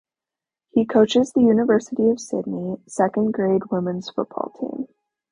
He coaches the University of Sydney second grade women's football team.